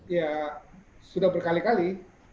ya sudah berkali kali